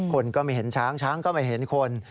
คนก็ไม่เห็นช้างช้างก็ไม่เห็นคน